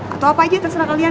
atau apa aja terserah kalian